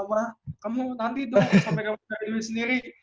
kamu nanti dong sampe kamu nyari duit sendiri